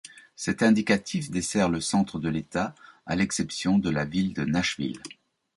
Cet indicatif dessert le centre de l'État à l'exception de la ville de Nashville.